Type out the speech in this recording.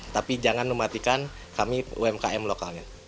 tapi jangan mematikan kami umkm lokalnya